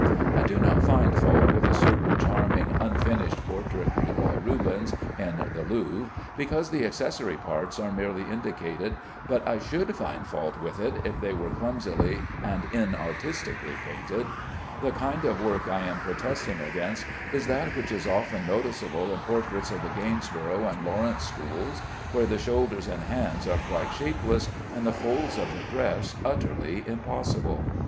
I do not find fault with a certain charming unfinished portrait group by Rubens in the Louvre, because the accessory parts are merely indicated, but I should find fault with it if they were clumsily and inartistically painted. The kind of work I am protesting against is that which is often noticeable in portraits of the Gainsborough and Lawrence schools, where the shoulders and hands are quite shapeless, and the folds of the dress utterly impossible.